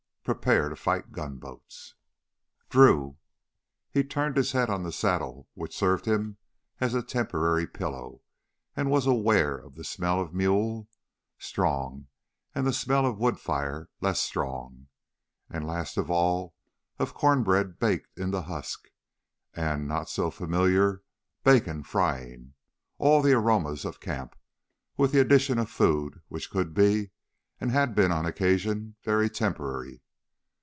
Prepare To Fight Gunboats!"_ "Drew!" He turned his head on the saddle which served him as a temporary pillow and was aware of the smell of mule, strong, and the smell of a wood fire, less strong, and last of all, of corn bread baked in the husk, and, not so familiar, bacon frying all the aromas of camp with the addition of food which could be, and had been on occasion, very temporary.